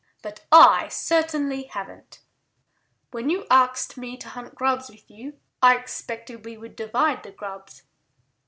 "But I certainly haven't. When you asked me to hunt grubs with you I expected we would divide the grubs."